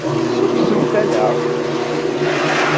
Tessukksemt-aneɣ-d.